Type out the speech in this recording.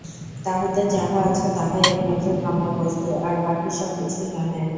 তাঁহাদের যাহা আছে তাহাই একমাত্র কাম্য বস্তু, আর বাকী সব কিছুই নহে।